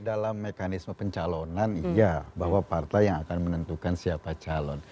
dalam mekanisme pencalonan iya bahwa partai yang akan menentukan siapa calon